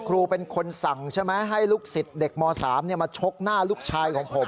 ครูเป็นคนสั่งใช่ไหมให้ลูกศิษย์เด็กม๓มาชกหน้าลูกชายของผม